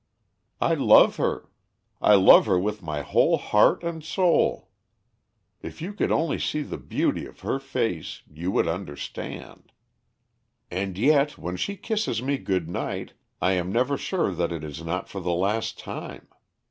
I love her; I love her with my whole heart and soul. If you could only see the beauty of her face you would understand. "And yet when she kisses me good night I am never sure that it is not for the last time.